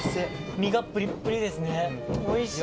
身がぷりっぷりですねおいしい！